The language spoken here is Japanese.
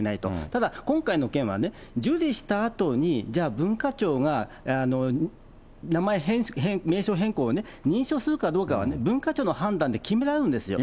ただ今回の件はね、受理したあとに、じゃあ、文化庁が名前、名称変更をね、認証するかどうかは、文化庁の判断で決められるんですよ。